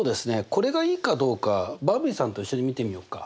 これがいいかどうかばんびさんと一緒に見てみよっか。